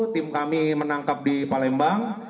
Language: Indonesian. tim kami menangkap di palembang